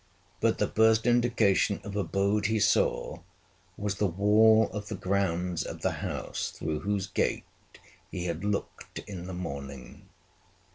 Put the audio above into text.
But the first indication of abode he saw, was the wall of the grounds of the house through whose gate he had looked in the morning.